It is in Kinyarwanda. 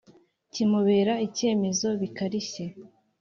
Kimubera icyemezo bikarishye